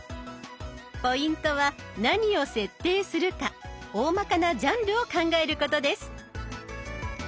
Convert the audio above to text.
ポイントは何を設定するか大まかなジャンルを考えることです。